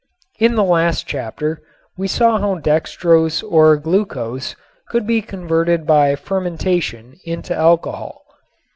In the last chapter we saw how dextrose or glucose could be converted by fermentation into alcohol.